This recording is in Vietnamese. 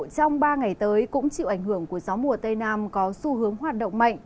trong ba ngày tới cũng chịu ảnh hưởng của gió mùa tây nam có xu hướng hoạt động mạnh